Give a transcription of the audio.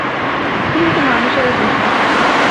কিন্তু মানুষেরা দুষ্টু!